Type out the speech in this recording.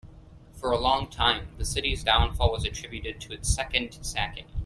For a long time, the city's downfall was attributed to its second sacking.